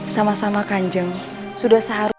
sama sama kanjeng sudah seharusnya